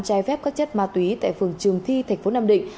trái phép các chất ma túy tại phường trường thi thành phố nam định